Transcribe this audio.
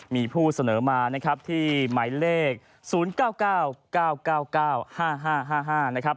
มีผู้เสนอมานะครับที่หมายเลข๐๙๙๙๙๙๙๙๕๕นะครับ